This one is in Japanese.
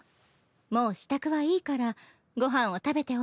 もう支度はいいからご飯を食べておいで。